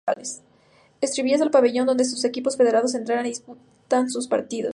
Entrevías el pabellón donde sus equipos federados entrenan y disputan sus partidos.